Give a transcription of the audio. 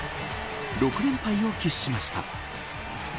６連敗を喫しました。